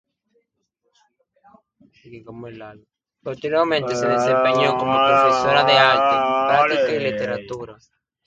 Posteriormente, se desempeñó como profesora de artes plásticas y literatura.